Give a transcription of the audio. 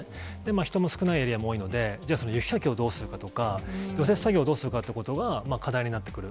人の少ないエリアも多いので、雪かきをどうするのかとか、除雪作業をどうするかということが課題になってくる。